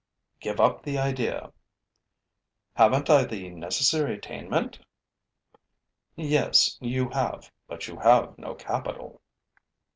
'Give up the idea.' 'Haven't I the necessary attainment?' 'Yes, you have; but you have no capital.'